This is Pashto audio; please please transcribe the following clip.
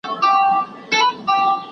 ښه صیب هماغه پخوانۍ پيزا غواړئ؟